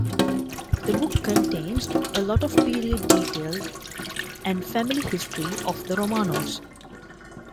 The book contains a lot of period detail and family history of the Romanovs.